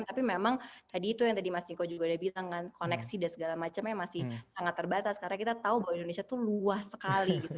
tapi memang tadi itu yang tadi mas niko juga udah bilang kan koneksi dan segala macamnya masih sangat terbatas karena kita tahu bahwa indonesia itu luas sekali gitu